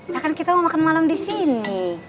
nah kan kita mau makan malam disini